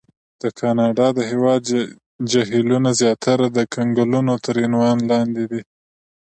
د کاناډا د هېواد جهیلونه زیاتره د کنګلونو تر عنوان لاندې دي.